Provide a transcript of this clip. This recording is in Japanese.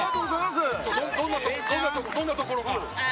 どんなところが。